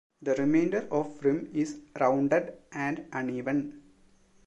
The remainder of rim is rounded and uneven.